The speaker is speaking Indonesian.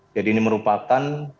jadi ini merupakan